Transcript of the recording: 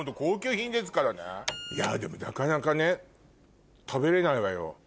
いやでもなかなかね食べれないわよ。